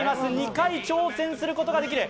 ２回挑戦することができる。